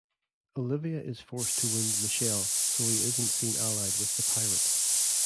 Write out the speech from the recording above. Olivia is forced to wound Michel so he isn't seen allied with the pirates.